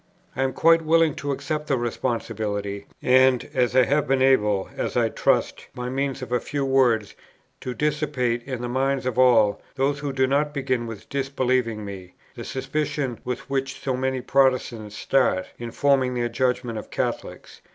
I am quite willing to accept the responsibility; and, as I have been able, as I trust, by means of a few words, to dissipate, in the minds of all those who do not begin with disbelieving me, the suspicion with which so many Protestants start, in forming their judgment of Catholics, viz.